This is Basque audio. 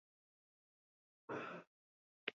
Gorpuak kiskali ditu bonbardaketak.